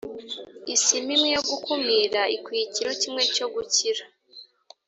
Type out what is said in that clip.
isima imwe yo gukumira ikwiye ikiro kimwe cyo gukira